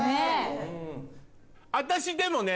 私でもね